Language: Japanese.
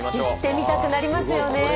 行ってみたくなりますよね。